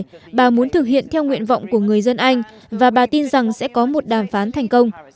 lý và muốn thực hiện theo nguyện vọng của người dân anh và bà tin rằng sẽ có một đàm phán thành công